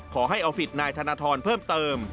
ขอให้เอาผิดนายธนทรเพิ่มเติม